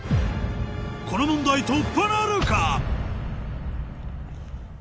この問題突破なるか？